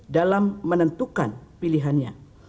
dalam menentukan pilihannya